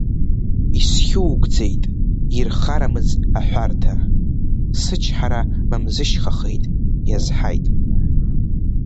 Исхьугӡеит, ирхарамыз аҳәарҭа, сычҳара Мамзышьхахеит иазҳаит.